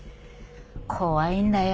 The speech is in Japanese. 怖いんだよ